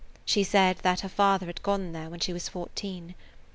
She said that her father had gone there when she was fourteen.